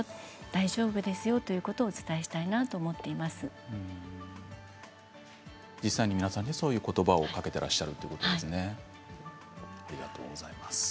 大丈夫ですよ、ということを実際に皆さんにそういうことばをかけていらっしゃるということですね